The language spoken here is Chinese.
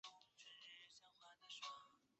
皮伦霍芬是德国巴伐利亚州的一个市镇。